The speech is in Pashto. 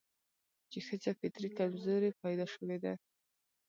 چې ښځه فطري کمزورې پيدا شوې ده